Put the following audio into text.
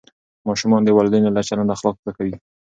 ماشومان د والدینو له چلنده اخلاق زده کوي.